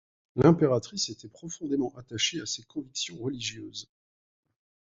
L'impératrice était profondément attachée à ses convictions religieuses.